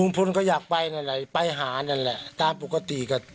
พลก็อยากไปนั่นแหละไปหานั่นแหละตามปกติก็